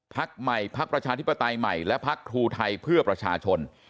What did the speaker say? ภักดิ์ใหม่ภักดิ์ประชาธิบัติใหม่และภักดิ์ทูไทยเพื่อประชาชน